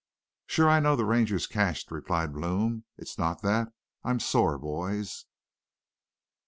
"'Sure. I know the Ranger's cashed,' replied Blome. 'It's not that. I'm sore, boys.'